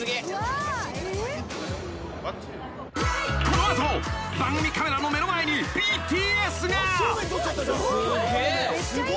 ［この後番組カメラの目の前にＢＴＳが］